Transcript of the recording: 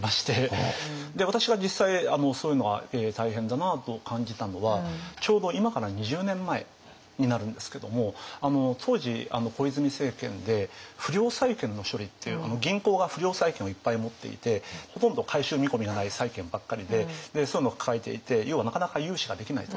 で私が実際そういうのが大変だなと感じたのはちょうど今から２０年前になるんですけども当時小泉政権で不良債権の処理っていう銀行が不良債権をいっぱい持っていてほとんど回収見込みがない債権ばっかりででそういうの抱えていて要はなかなか融資ができないと。